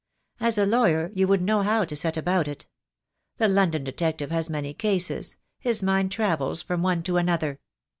As a lawyer you would know how to set about it. The London detective has many cases — his mind travels from one to another.